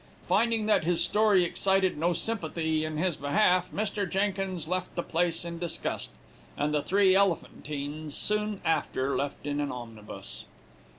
"Finding that his story excited no sympathy in his behalf, Mr. Jenkins left the place in disgust, and the three Elephantines soon after left in an omnibus."